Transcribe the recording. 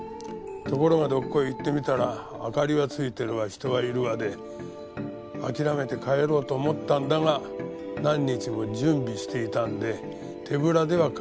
ところがどっこい行ってみたら明かりはついてるわ人はいるわで諦めて帰ろうと思ったんだが何日も準備していたんで手ぶらでは帰れない。